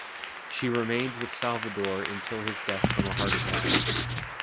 She remained with Salvadore until his death from a heart attack.